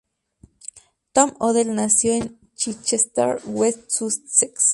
Tom Odell nació en Chichester, West Sussex.